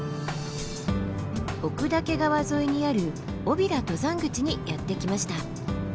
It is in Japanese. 奥岳川沿いにある尾平登山口にやって来ました。